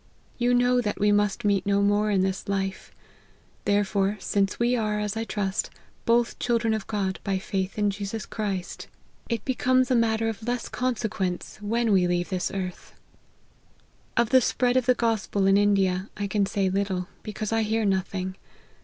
You know that we must meet no more in this life : therefore, since we are, as I trust, both children of God by faith in Jesus Christ, it becomes LIFE OF HENRY MARTYN. 117 a matter of less consequence when we leave this earth. Of the spread of the gospel in India, I can say little, because I hear nothing.